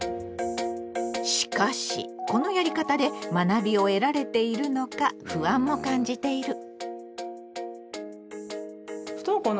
しかしこのやり方で学びを得られているのか不安も感じている。